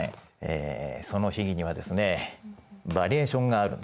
えその秘技にはですねバリエーションがあるんです。